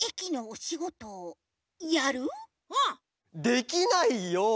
できないよ！